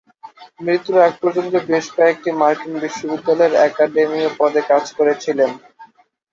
মৃত্যুর আগ পর্যন্ত বেশ কয়েকটি মার্কিন বিশ্ববিদ্যালয়ে অ্যাকাডেমীয় পদে কাজ করেছিলেন।